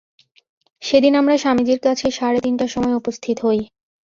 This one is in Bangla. সেদিন আমরা স্বামীজীর কাছে সাড়ে তিনটার সময় উপস্থিত হই।